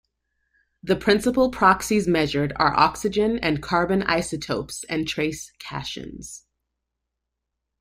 The principal proxies measured are oxygen and carbon isotopes and trace cations.